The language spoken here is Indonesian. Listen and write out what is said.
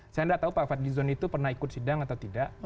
saya tidak tahu pak fadlizon itu pernah ikut sidang atau tidak